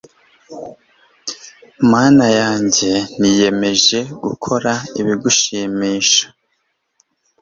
mana yanjye, niyemeje gukora ibigushimisha